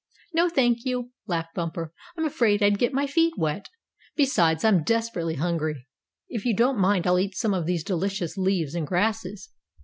"No, thank you," laughed Bumper, "I'm afraid I'd get my feet wet. Besides, I'm desperately hungry. If you don't mind I'll eat some of these delicious leaves and grasses."